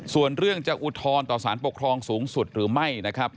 ส่วนเรื่องจะอุทธรณ์ต่อสารปกครองสูงสุดหรือไม่นะครับ